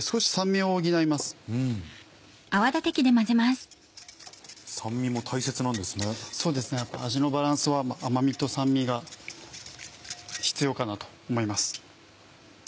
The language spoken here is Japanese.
味のバランスは甘味と酸味が必要かなと思います。